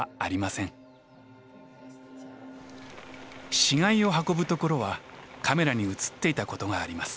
死骸を運ぶところはカメラに写っていたことがあります。